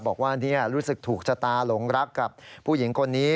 บอกว่ารู้สึกถูกชะตาหลงรักกับผู้หญิงคนนี้